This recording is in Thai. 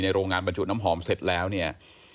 โรงงานบรรจุน้ำหอมเสร็จแล้วเนี่ย